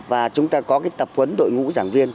và chúng ta có cái tập huấn đội ngũ giảng viên